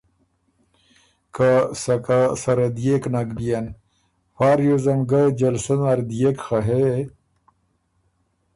که سکه سره دئېک نک بيېن، فا ریوزم ګه جلسه نر ديېک خه هې